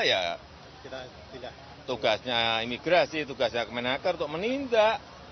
ya tugasnya imigrasi tugasnya kemenang kerja untuk menindak